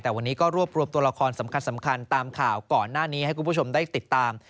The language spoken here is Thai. แต่วันนี้ก็รวบรวมตัวละครสำคัญตามข่าวก่อนหน้านี้ให้คุณผู้ชมได้ติดตาม